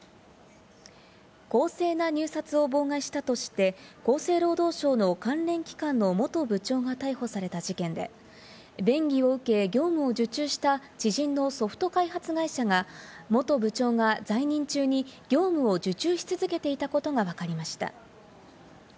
公正な入札を妨害したとして、厚生労働省の関連機関の元部長が逮捕された事件で、便宜を受け、業務を受注した知人のソフト開発会社が元部長が在任中に業務を受注し続けていたことがわかりました。